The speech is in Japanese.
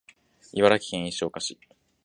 茨城県石岡市